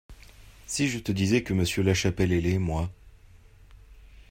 Si je te disais que Monsieur Lachapelle est laid, moi !